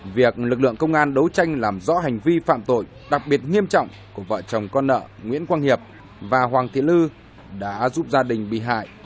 việc lực lượng công an đấu tranh làm rõ hành vi phạm tội đặc biệt nghiêm trọng của vợ chồng con nợ nguyễn quang hiệp và hoàng thị lư đã giúp gia đình bị hại